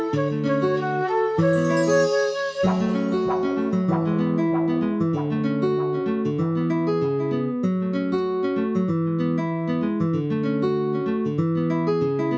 bagaimana berubah demikian